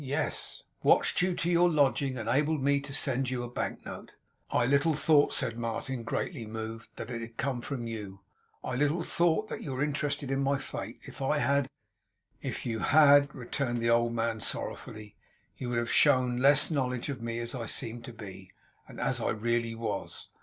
'Yes; watched you to your lodging, and enabled me to send you a bank note.' 'I little thought,' said Martin, greatly moved, 'that it had come from you; I little thought that you were interested in my fate. If I had ' 'If you had,' returned the old man, sorrowfully, 'you would have shown less knowledge of me as I seemed to be, and as I really was.